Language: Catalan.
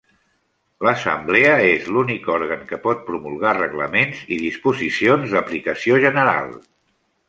L'assemblea és l'únic òrgan que pot promulgar reglaments i disposicions d'aplicació general.